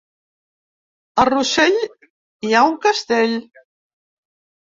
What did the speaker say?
A Rossell hi ha un castell?